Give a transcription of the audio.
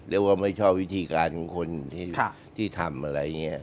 เรียกว่าไม่ชอบวิธีการของคนที่ทำอะไรอย่างนี้